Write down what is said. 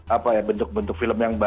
apa ya bentuk bentuk film yang